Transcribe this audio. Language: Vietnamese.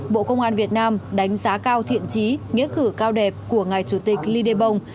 bộ công an việt nam đánh giá cao thiện trí nghĩa cử cao đẹp của ngài chủ tịch ly đê bông